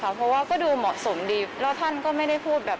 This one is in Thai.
เพราะว่าก็ดูเหมาะสมดีแล้วท่านก็ไม่ได้พูดแบบ